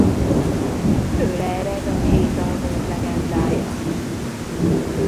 Tőle ered a hét alvók legendája.